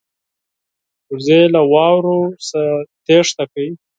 وزې له واورو نه تېښته کوي